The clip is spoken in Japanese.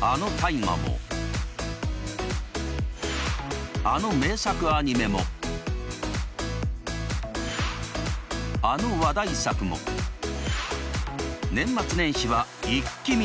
あの「大河」もあの名作アニメもあの話題作も年末年始はイッキ見！